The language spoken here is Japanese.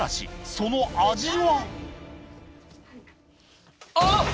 その味は？